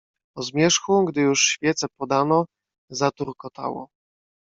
"O zmierzchu, gdy już świece podano, zaturkotało."